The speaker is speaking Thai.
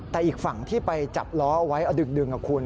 แต่อีกฝั่งที่ไปจับล้อเอาไว้เอาดึงคุณ